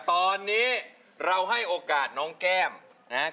ตอนนี้เราให้โอกาสน้องแก้มนะครับ